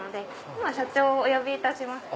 今社長お呼びいたします